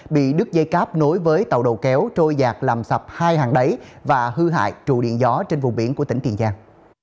bị đứt dây cáp nối với tàu đầu kéo trôi giạc làm sập hai hàng đáy và hư hại trụ điện gió trên vùng biển của tỉnh tiền giang